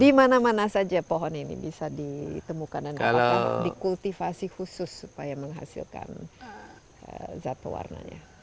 di mana mana saja pohon ini bisa ditemukan dan dapat dikultivasi khusus supaya menghasilkan zat pewarnanya